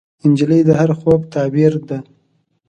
نجلۍ د هر خوب تعبیر ده.